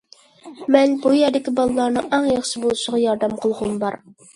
مەن بۇ يەردىكى بالىلارنىڭ ئەڭ ياخشى بولۇشىغا ياردەم قىلغۇم بار.